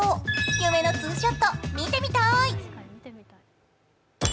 夢のツーショット、見てみたい。